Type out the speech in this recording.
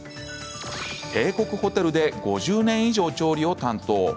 帝国ホテルで５０年以上調理を担当。